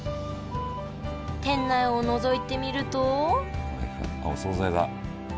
店内をのぞいてみるとあっお総菜だ。